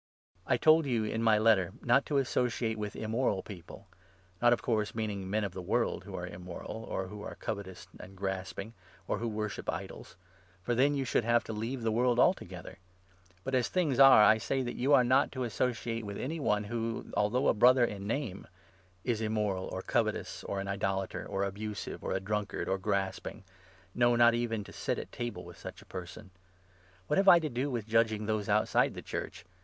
I told you, in my letter, not to associate with immoral 9 people — not, of course, meaning men of the world who are 10 immoral, or who are covetous and grasping, or who worship idols; for then you would have to leave the world altogether. But, as things are, I say that you are not to associate with any 1 1 one who, although a Brother in name, is immoral, or covetous, or an idolater, or abusive, or a drunkard, or grasping — no, not even to sit at table with such people. What have I to do 12 with judging those outside the Church